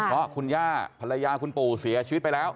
เพราะคุณย่าภรรยาคุณปู่เสียชีวิตไปแล้ว